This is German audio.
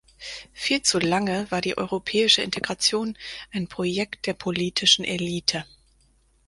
Viel zu lange war die europäische Integration ein Projekt der politischen Elite.